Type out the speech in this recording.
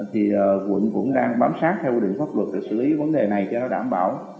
thì quận cũng đang bám sát theo quy định pháp luật để xử lý vấn đề này cho nó đảm bảo